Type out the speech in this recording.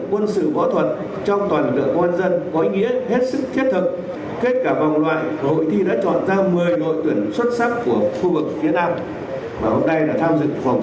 quân sự võ thuật trong toàn lượng công an dân có ý nghĩa hết sức thiết thẩm